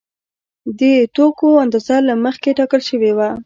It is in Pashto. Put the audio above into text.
د توکو اندازه له مخکې ټاکل شوې وه